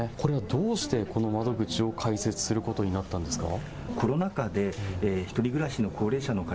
どうしてこの窓口を開設することになったんですか？